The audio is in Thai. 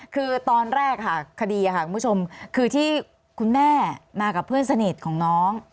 คือตอนแรกค่ะคดีคุณผู้ชมคือที่คุณแม่มากับเพื่อนสนิทของน้อง